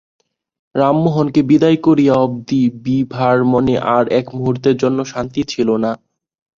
রামমোহনকে বিদায় করিয়া অবধি বিভার মনে আর এক মুহূর্তের জন্য শান্তি ছিল না।